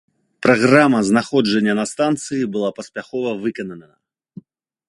Праграма знаходжання на станцыі была паспяхова выканана.